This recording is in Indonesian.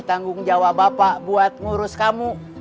tanggung jawab bapak buat ngurus kamu